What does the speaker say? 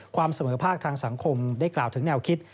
เสมอภาคทางสังคมได้กล่าวถึงแนวคิด